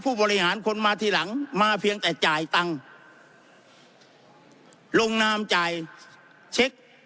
ผู้บริหารคนมาทีหลังมาเพียงแต่จ่ายตังค์ลงนามจ่ายเช็ค